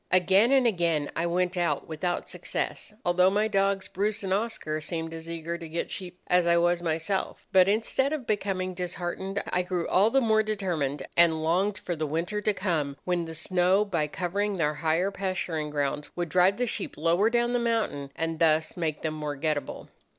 "Again and again I went out without success, although my dogs, Bruce and Oscar, seemed as eager to get sheep as I was myself; but instead of becoming disheartened, I grew all the more determined, and longed for the winter to come, when the snow, by covering their higher pasturing grounds, would drive the sheep lower down the mountain, and thus make them more getatable.